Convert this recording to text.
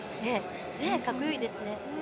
かっこいいですね。